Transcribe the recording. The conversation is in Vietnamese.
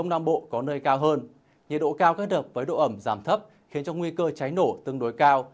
nhiệt độ cao các đợt với độ ẩm giảm thấp khiến cho nguy cơ cháy nổ tương đối cao